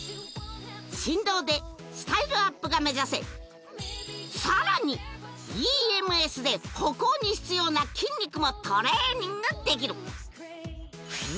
振動でスタイルアップが目指せさらにＥＭＳで歩行に必要な筋肉もトレーニングできる